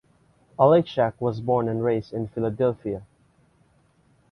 Oleksiak was born and raised in Philadelphia.